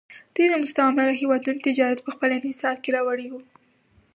دوی د مستعمره هېوادونو تجارت په خپل انحصار کې راوړی و